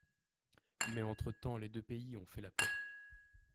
Mais entre-temps les deux pays ont fait la paix.